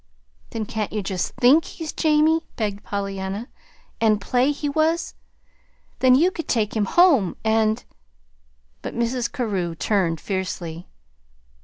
"Then can't you just THINK he's Jamie," begged Pollyanna, "and play he was? Then you could take him home, and " But Mrs. Carew turned fiercely.